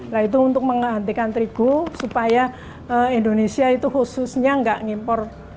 nah itu untuk menghentikan terigu supaya indonesia itu khususnya nggak ngimpor